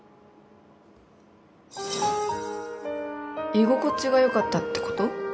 居心地がよかったってこと？